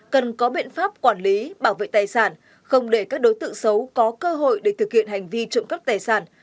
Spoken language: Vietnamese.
cần có biện pháp quản lý bảo vệ tài sản không để các đối tượng xấu có cơ hội để thực hiện hành vi trộm cắp tài sản